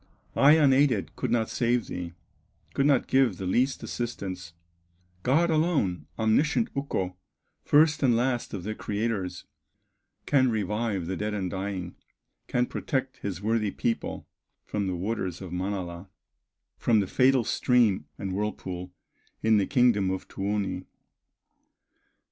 I unaided could not save thee, Could not give the least assistance; God alone, omniscient Ukko, First and last of the creators, Can revive the dead and dying, Can protect his worthy people From the waters of Manala, From the fatal stream and whirlpool, In the kingdom of Tuoni."